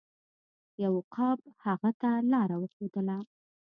یو عقاب هغه ته لاره وښودله.